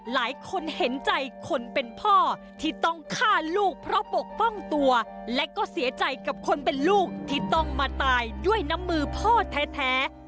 หลายคนเห็นใจคนเป็นพ่อที่ต้องฆ่าลูกเพราะปกป้องตัวและก็เสียใจกับคนเป็นลูกที่ต้องมาตายด้วยน้ำมือพ่อแท้